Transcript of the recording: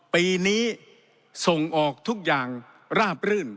ปีนี้ส่งออกทุกอย่างราบรื่น